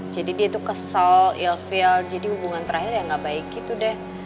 jadi dia tuh kesel ilfil jadi hubungan terakhir ya gak baik gitu deh